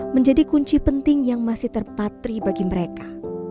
menjadi kunci penting yang masih terpatri bagi mereka